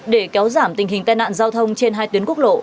để kéo giảm tình hình tai nạn giao thông trên hai tuyến quốc lộ